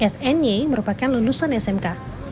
sny merupakan lulusan smk